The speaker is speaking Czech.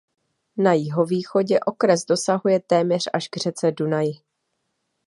Na jihovýchodě okres dosahuje téměř až k řece Dunaji.